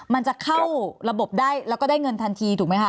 มันจะเข้าระบบได้แล้วก็ได้เงินทันทีถูกไหมคะ